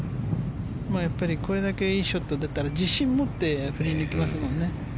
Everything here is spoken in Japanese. これだけいいショットが出たら、自信を持って振りに行けますもんね。